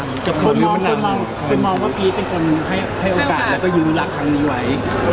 คือมองว่าพีชเป็นคนให้โอกาสแล้วก็ยืมรักครั้งนี้ไว้